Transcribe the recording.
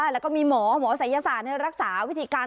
แล้วก็มีหมอหมอศัยศาสตร์รักษาวิธีการ